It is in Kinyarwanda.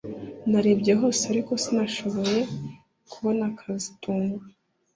Narebye hose ariko sinashoboye kubona kazitunga